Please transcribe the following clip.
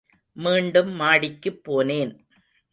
மீண்டும் மாடிக்குப் போனேன்.